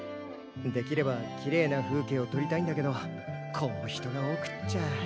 できればきれいな風景をとりたいんだけどこう人が多くっちゃ。